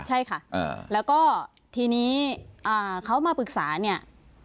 ใช่ค่ะแล้วก็ทีนี้เขามาปรึกษาเนี่ย